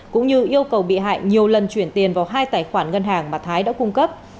cũng như yêu cầu bị hại nhiều lần chuyển tiền vào hai tài khoản ngân hàng mà thái đã cung cấp